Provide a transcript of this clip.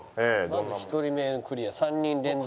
まず１人目クリア３人連続。